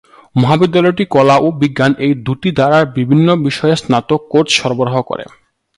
মহাবিদ্যালয়টি কলা ও বিজ্ঞান এই দু'টি ধারার বিভিন্ন বিষয়ে স্নাতক কোর্স সরবরাহ করে।।